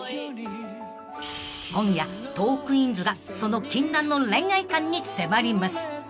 ［今夜トークィーンズがその禁断の恋愛観に迫ります］